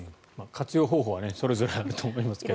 活用方法はそれぞれだと思いますが。